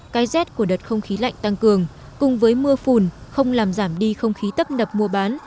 cái rét của đợt không khí lạnh tăng cường cùng với mưa phùn không làm giảm đi không khí tấp nập mua bán